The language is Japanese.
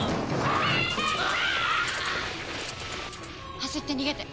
走って逃げて。